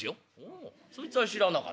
「あそいつは知らなかったな。